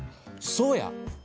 そうや！